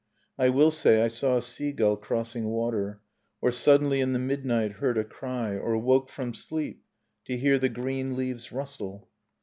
, I will say: I saw a sea gull crossing water, Or suddenly in the midnight heard a cry. Or woke from sleep to hear the green leaves rustle.